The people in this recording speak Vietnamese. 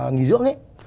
nghỉ dưỡng ấy